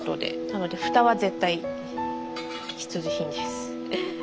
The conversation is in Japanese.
なのでふたは絶対必需品です。